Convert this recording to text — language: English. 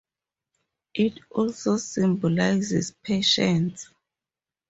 It also symbolizes patience.